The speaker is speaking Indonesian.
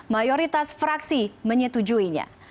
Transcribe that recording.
mayoritas fraksi menyetujuinya